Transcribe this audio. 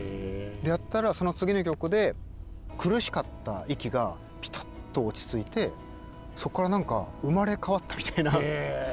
やったらその次の曲で苦しかった息がピタッと落ち着いてそこから何か生まれ変わったみたいな。